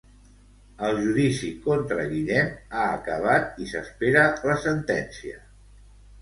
El judici contra Guillem ha acabat i s'espera la sentència.